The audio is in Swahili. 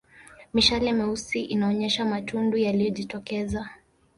Mishale meusi inaonyesha matundu yaliyojitokeza